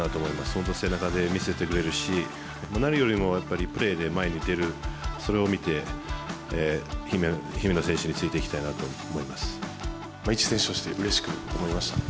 本当、背中で見せてくれるし、何よりもやっぱり、プレーで前に出る、それを見て姫野選手についていきたいなと思い一選手としてうれしく思いました。